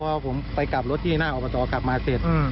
พอผมไปกลับรถที่หน้าอบตกลับมาเสร็จ